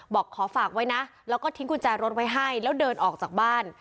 บอกขอฝากไว้นะแล้วก็ทิ้งกุญแจรถไว้ให้แล้วเดินออกจากบ้าน